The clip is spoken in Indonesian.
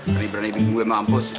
keren berani bingung gue mampus